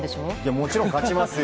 もちろん勝ちますよ。